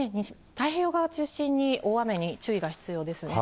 太平洋側中心に大雨に注意が必要ですね。